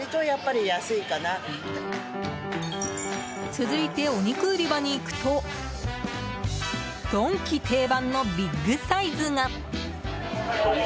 続いて、お肉売り場に行くとドンキ定番のビッグサイズが！